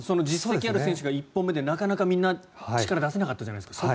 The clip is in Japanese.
実績がある選手が１本目でなかなか、みんな力を出せなかったじゃないですか。